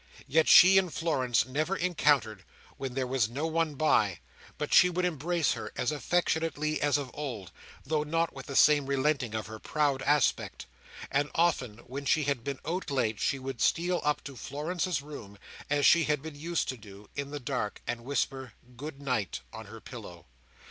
Yet she and Florence never encountered, when there was no one by, but she would embrace her as affectionately as of old, though not with the same relenting of her proud aspect; and often, when she had been out late, she would steal up to Florence's room, as she had been used to do, in the dark, and whisper "Good night," on her pillow.